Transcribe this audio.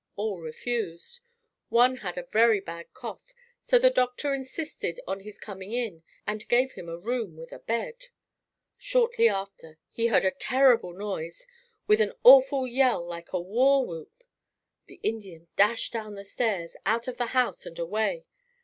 All refused. One had a very bad cough so the doctor insisted on his coming in and gave him a room with a bed. Shortly after, they heard a terrible noise with an awful yell like a war whoop. The Indian dashed down the stairs, out of the house and away.